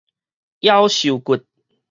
夭壽骨